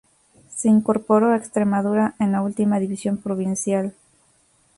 Se incorporó a Extremadura en la última división provincial.